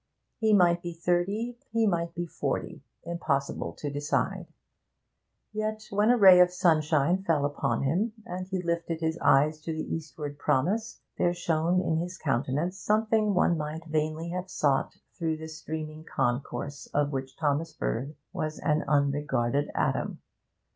He might be thirty, he might be forty impossible to decide. Yet when a ray of sunshine fell upon him, and he lifted his eyes to the eastward promise, there shone in his countenance something one might vainly have sought through the streaming concourse of which Thomas Bird was an unregarded atom.